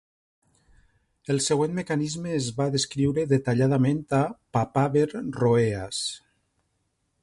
El següent mecanisme es va descriure detalladament a "Papaver rhoeas".